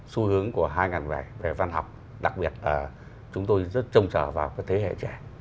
xu hướng của hai nghìn một mươi bảy về văn học đặc biệt là chúng tôi rất trông trở vào cái thế hệ trẻ